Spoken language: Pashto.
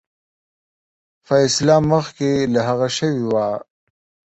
فیصله مخکي له هغه شوې وه.